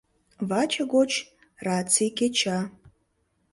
Ваче гоч раций кеча.